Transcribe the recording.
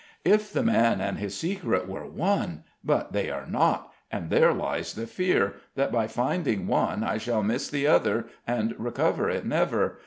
"If the man and his secret were one! But they are not, and there lies the fear that by finding one I shall miss the other and recover it never.